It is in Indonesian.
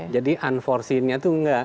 jadi unforeseen nya itu enggak